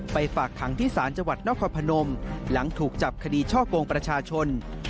ไปฝากทั้งที่ศาลจัวรรย์นอกควันพนมหลังถูกจับคดีช่อกงประชาชน